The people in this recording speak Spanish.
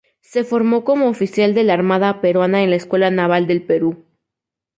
Se formó como oficial de la Armada peruana en la Escuela Naval del Perú.